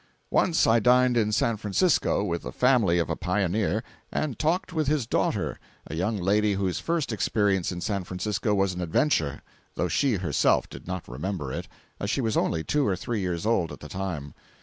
Once I dined in San Francisco with the family of a pioneer, and talked with his daughter, a young lady whose first experience in San Francisco was an adventure, though she herself did not remember it, as she was only two or three years old at the time.